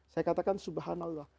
saya katakan subhanallah